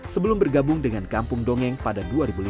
sebelum bergabung dengan kampung dongeng pada dua ribu lima